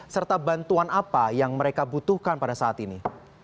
serta bantuan apa yang mereka butuhkan pada saat ini